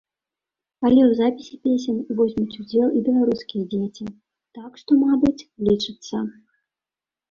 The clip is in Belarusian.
Але ў запісе песень возьмуць удзел і беларускія дзеці, так што, мабыць, лічыцца.